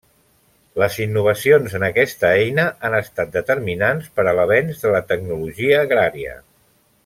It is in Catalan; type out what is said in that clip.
Les innovacions en aquesta eina han estat determinants per a l'avenç de la tecnologia agrària.